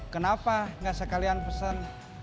kenapa gak sekalian pesen